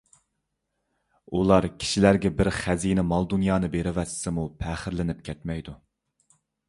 ئۇلار كىشىلەرگە بىر خەزىنە مال – دۇنيانى بېرىۋەتسىمۇ پەخىرلىنىپ كەتمەيدۇ.